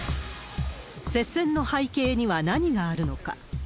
接戦の背景には何があるのか。